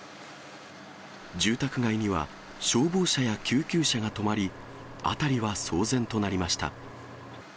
住宅街には消防車や救急車が止まり、辺りは騒然となりました。